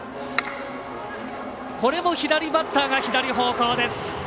これも左バッターが左方向。